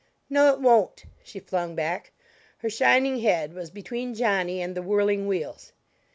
"No, it won't," she flung back. Her shining head was between Johnny and the whirling wheels.